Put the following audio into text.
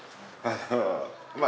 まあ。